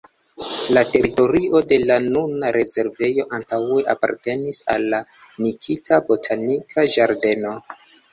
La teritorio de la nuna rezervejo antaŭe apartenis al Nikita botanika ĝardeno.